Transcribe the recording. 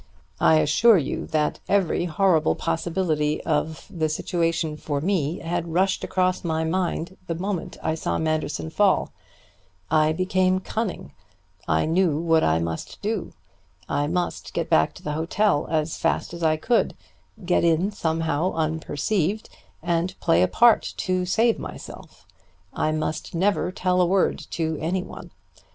I assure you that every horrible possibility of the situation for me had rushed across my mind the moment I saw Manderson fall. I became cunning. I knew what I must do. I must get back to the hotel as fast as I could, get in somehow unperceived, and play a part to save myself. I must never tell a word to any one.